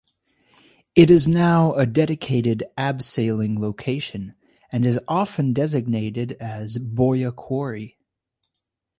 It is now a dedicated abseiling location, and is often designated as 'Boya Quarry'.